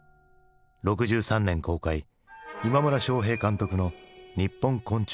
６３年公開今村昌平監督の「にっぽん昆虫記」。